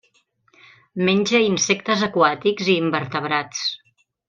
Menja insectes aquàtics i invertebrats.